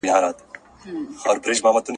يوټيوب چينلونه جوړ کړئ.